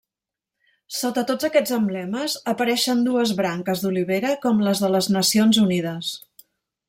Sota tots aquests emblemes, apareixen dues branques d'olivera com les de les Nacions Unides.